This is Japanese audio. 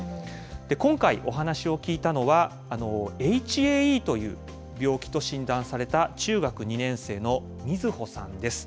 今回、お話を聞いたのは、ＨＡＥという病気と診断された、中学２年生のみずほさんです。